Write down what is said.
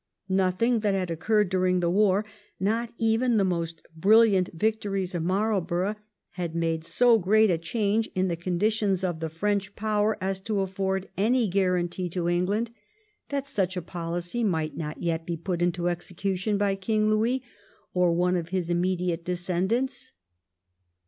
Nothing that had occurred during the war — not even the most brilliant victories of Marlborough — ^had made so great a change in thB conditions of the French power as to afford any guarantee to England that such a policy might g2 84 THE REIGN OF QUEEN ANNE. ch. xxv. not yet be put into execution by King Louis or one of his immediate descendants.